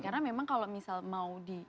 karena memang kalau misal mau di